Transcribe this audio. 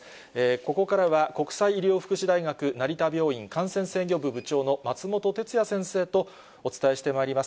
ここからは、国際医療福祉大学成田病院感染制御部部長の松本哲哉先生とお伝えしてまいります。